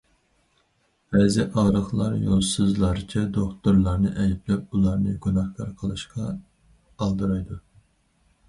بەزى ئاغرىقلار يولسىزلارچە دوختۇرلارنى ئەيىبلەپ، ئۇلارنى گۇناھكار قىلىشقا ئالدىرايدۇ.